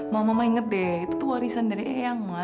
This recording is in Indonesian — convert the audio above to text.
ma mama ingat deh itu tuh warisan dari iyeng ma